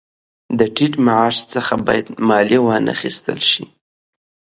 د ټیټ معاش څخه باید مالیه وانخیستل شي